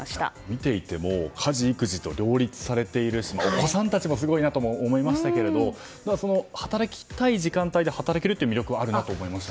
見ていても家事・育児と両立されているしお子さんたちもすごいなとも思いましたけれど働きたい時間帯で働ける魅力はあると思いました。